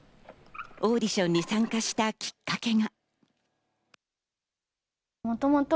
オーディションに参加したきっかけが。